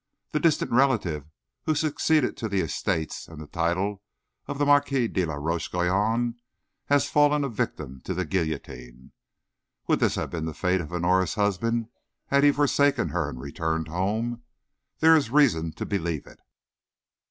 The distant relative who succeeded to the estates and the title of the Marquis de la Roche Guyon has fallen a victim to the guillotine. Would this have been the fate of Honora's husband had he forsaken her and returned home? There is reason to believe it.